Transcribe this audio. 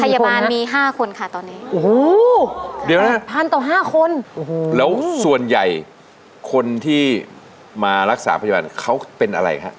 เยอะนะ๘๐๐๐คน